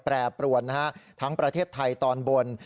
แปรปรวนนะฮะทั้งประเทศไทยตอนบน